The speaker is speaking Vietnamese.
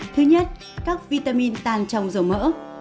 thứ nhất các vitamin tàn trồng dầu mỡ